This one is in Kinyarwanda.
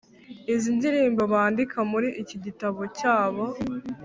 izi indirimbo bandika muri iki Gitabo cyabo